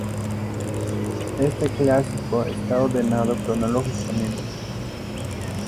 Este Clásico está ordenado cronológicamente.